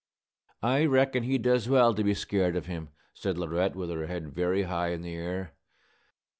"I reckon he does well to be scared of him," said Laurette, with her head very high in the air.